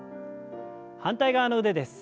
反対側の腕です。